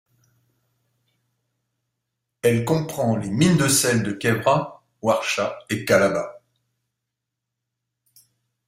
Elle comprend les mines de sel de Khewra, Warcha et Kalabagh.